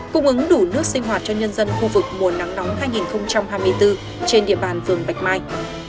cung ứng đủ nước sinh hoạt cho nhân dân khu vực mùa nắng nóng hai nghìn hai mươi bốn trên địa bàn phường bạch mai